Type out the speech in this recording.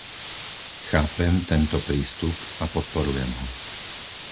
Chápem tento prístup a podporujem ho.